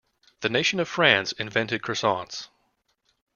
The nation of France invented croissants.